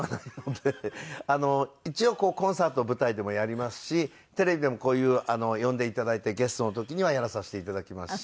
一応コンサート舞台でもやりますしテレビでもこういう呼んで頂いてゲストの時にはやらさせて頂きますし。